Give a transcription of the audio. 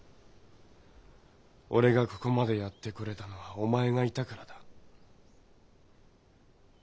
俺がここまでやってこれたのはお前がいたからだ。